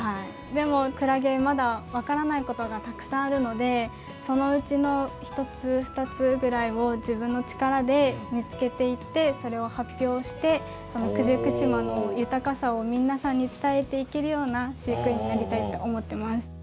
でもクラゲまだ分からないことがたくさんあるのでそのうちの１つ２つぐらいを自分の力で見つけていってそれを発表してその九十九島の豊かさを皆さんに伝えていけるような飼育員になりたいと思ってます。